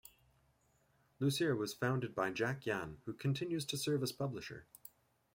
"Lucire" was founded by Jack Yan, who continues to serve as publisher.